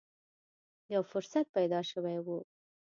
یو فرصت پیدا شوې و